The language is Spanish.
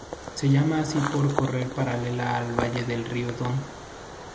Se llama así por correr paralela al valle del río Don.